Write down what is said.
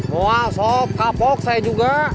wah sok kapok saya juga